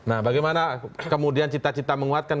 nah bagaimana kemudian cita cita menguatkan